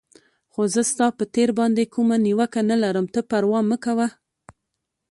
خو زه ستا پر تېر باندې کومه نیوکه نه لرم، ته پروا مه کوه.